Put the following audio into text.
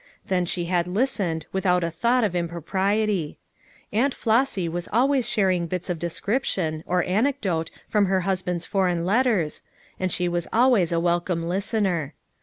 Then she had listened, with out a thought of impropriety. "Aunt Flossy' 3 was always sharing bits of description, or anecdote from her husband's foreign letters, and she was always a welcome listener.